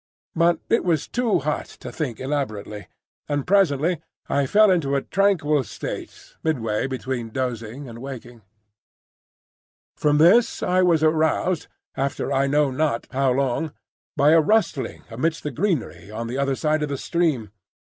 But it was too hot to think elaborately, and presently I fell into a tranquil state midway between dozing and waking. From this I was aroused, after I know not how long, by a rustling amidst the greenery on the other side of the stream.